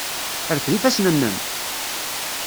Rfed ifassen-nnem!